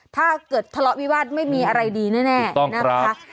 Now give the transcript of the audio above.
ถ้าเกิดทะเลาะวิวาสไม่มีอะไรดีแน่นะคะ